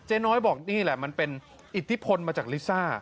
น้อยบอกนี่แหละมันเป็นอิทธิพลมาจากลิซ่า